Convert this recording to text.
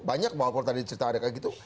banyak mbak kalau tadi cerita ada kayak gitu